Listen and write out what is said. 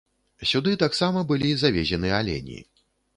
Сюды таксама былі завезены алені.